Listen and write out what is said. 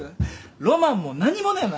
ロマンも何もねえな。